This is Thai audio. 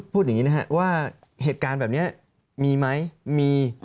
พูดอย่างนี้นะครับว่าเหตุการณ์แบบนี้มีไหมมี